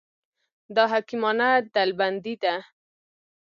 دا حکیمانه ډلبندي ده.